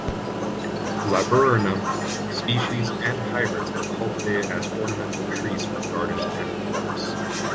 "Laburnum" species and hybrids are cultivated as ornamental trees for gardens and parks.